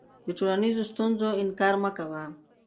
د ټولنیزو ستونزو انکار مه کوه.